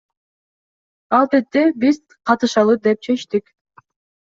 Албетте, биз катышалы деп чечтик.